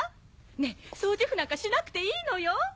ねぇ掃除婦なんかしなくていいのよ。